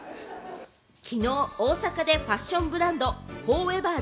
昨日、大阪でファッションブランド・ＦＯＲＥＶＥＲ